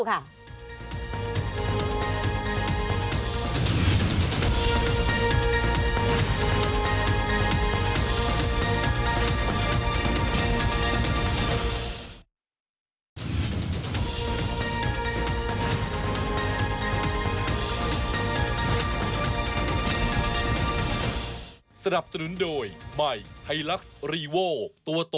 อ่าสับครู่ค่ะ